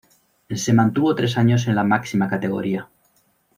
Se mantuvo tres años en la máxima categoría.